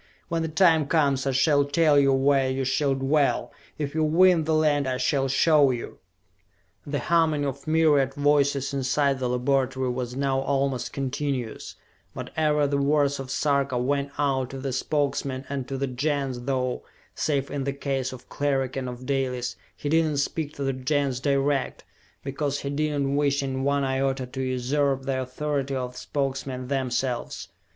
When the time comes I shall tell you where you shall dwell if you win the land I shall show you!" The humming of myriad voices inside the laboratory was now almost continuous, but ever the words of Sarka went out to the Spokesmen and to the Gens, though, save in the case of Cleric and of Dalis, he did not speak to the Gens direct, because he did not wish in one iota to usurp the authority of the Spokesmen themselves.